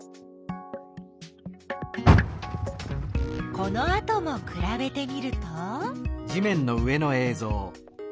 このあともくらべてみると？